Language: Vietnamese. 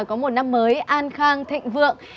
có một năm mới an khang thịnh vượng